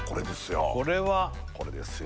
これはこれですよ